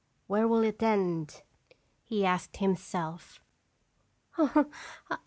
Where will it end?" he asked himself.